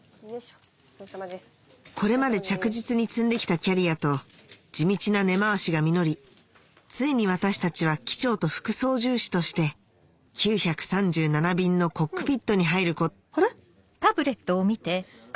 これまで着実に積んできたキャリアと地道な根回しが実りついに私たちは機長と副操縦士として９３７便のコックピットに入るこあれ？